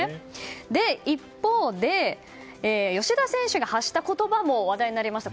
一方、吉田選手が発した言葉も話題になりました。